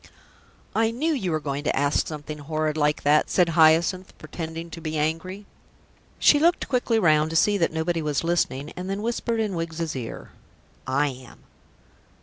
"I knew you were going to ask something horrid like that," said Hyacinth, pretending to be angry. She looked quickly round to see that nobody was listening, and then whispered in Wiggs's ear, "I am."